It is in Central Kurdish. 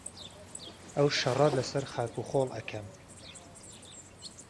ئهو شهڕه له سهر خاک و خۆڵ ئهکهم